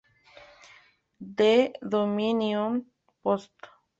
The Dominion Post.